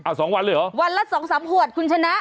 อ่ะ๒วันเลยเหรอวันละ๒๓หวดคุณชนะ